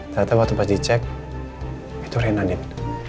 ternyata waktu pas dicek itu rina din